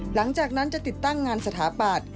หลังจากนั้นจะติดตั้งงานสถาปัตย์